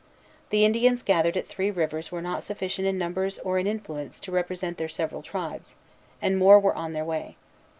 The Indians gathered at Three Rivers were not sufficient in numbers or in influence to represent their several tribes; and more were on their way.